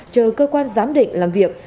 chờ cơ quan giám định làm việc